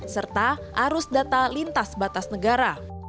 serta arus data lintas batas negara